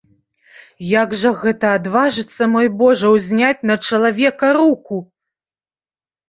Як жа гэта адважыцца, мой божа, узняць на чалавека руку!